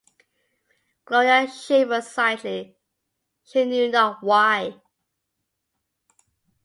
Gloria shivered slightly — she knew not why.